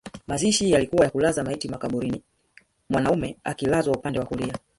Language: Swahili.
Mazishi yalikuwa ya kulaza maiti makaburini mwanaume akilazwa upande wa kulia